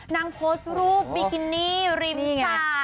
นางโพสต์รูปบิกินี่ริมจ่า